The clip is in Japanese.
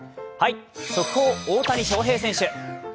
速報、大谷翔平選手。